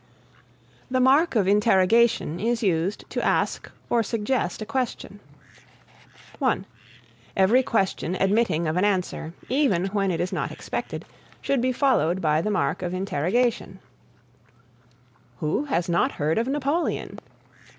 The Mark of Interrogation is used to ask or suggest a question. (1) Every question admitting of an answer, even when it is not expected, should be followed by the mark of interrogation: "Who has not heard of Napoleon?"